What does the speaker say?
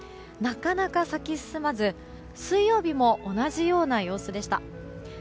なかなか咲き進まず水曜日も同じような様子でした。